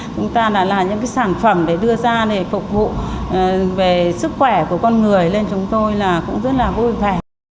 chúng ta là những cái sản phẩm để đưa ra để phục vụ về sức khỏe của con người lên chúng tôi là cũng rất là vui vẻ